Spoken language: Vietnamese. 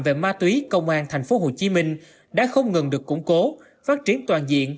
về ma túy công an tp hcm đã không ngừng được củng cố phát triển toàn diện